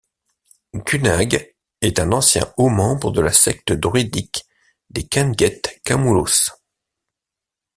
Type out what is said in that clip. Khunag est un ancien haut-membre de la secte druidique des Kenget Kamulos.